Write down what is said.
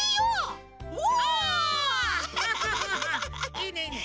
いいねいいね。